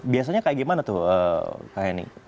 biasanya kayak gimana tuh kayak ini